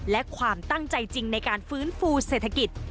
และความตั้งใจจริงในการฟื้นฟูเศรษฐกิจ